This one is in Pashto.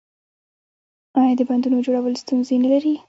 آیا د بندونو جوړول ستونزې نلري؟